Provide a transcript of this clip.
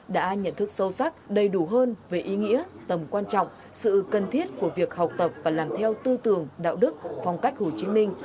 đã nhận thức sâu sắc đầy đủ hơn về ý nghĩa tầm quan trọng sự cần thiết của việc học tập và làm theo tư tưởng đạo đức phong cách hồ chí minh